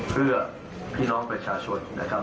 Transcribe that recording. เพื่อพี่น้องประชาชนนะครับ